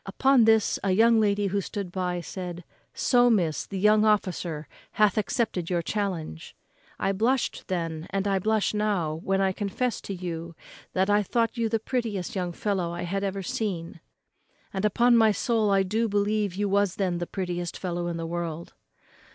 Upon this a young lady who stood by said, 'So, miss, the young officer hath accepted your challenge.' I blushed then, and I blush now, when I confess to you I thought you the prettiest young fellow I had ever seen; and, upon my soul, I believe you was then the prettiest fellow in the world."